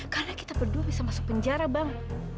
karena kita berdua bisa masuk penjara bang